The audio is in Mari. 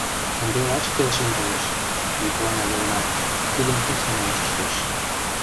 — Ынде лач келшен толеш, — йӱклана Йыгнат, Тудым тӱслен ончыштеш.